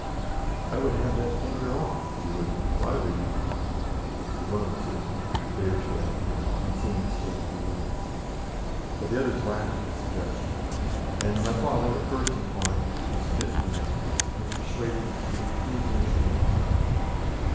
"I would have that finger off, Wood, if I were you," said one of the surgeons, a day or two afterwards, on seeing the state of the wound. But the others laughed at the suggestion, and my father, at first inclined to submit to the amputation, was persuaded to "leave Nature alone."